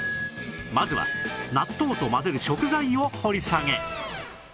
まずは納豆と混ぜる食材を掘り下げ